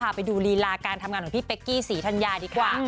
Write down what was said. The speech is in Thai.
ไปดูรีลาการทำงานของพี่เป๊กกี้ศรีธัญญาดีกว่า